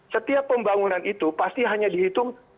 setiap pembangunan itu pasti hanya dihitung